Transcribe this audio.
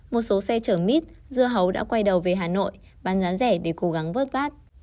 một số xe chở mít dưa hấu đã quay đầu về hà nội bán giá rẻ để cố gắng vớt vát